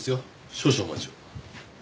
少々お待ちを。